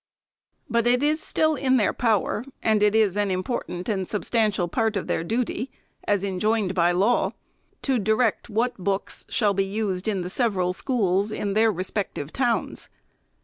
But it is still in their power, and it is an important and substantial part of their duty, as en joined by law, " to direct what books shall be used in the several schools," in their respective towns.